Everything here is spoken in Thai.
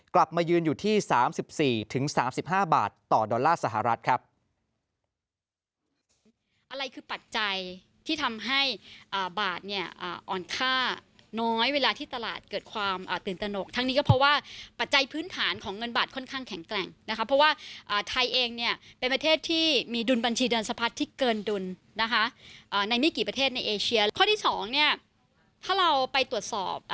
กลับมายืนอยู่ที่๓๔๓๕บาทต่อดอลลาร์สหรัฐครับ